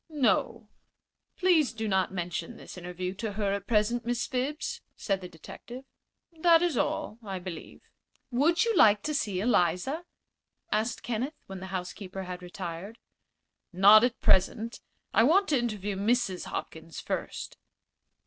"No. Please do not mention this interview to her at present, Miss Phibbs," said the detective. "That is all, I believe." "Would you like to see Eliza?" asked Kenneth, when the housekeeper had retired. "Not at present. I want to interview Mrs. Hopkins first."